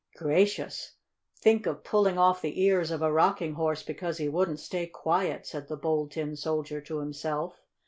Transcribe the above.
"Gracious! Think of pulling off the ears of a rocking horse because he wouldn't stay quiet!" said the Bold Tin Soldier to himself.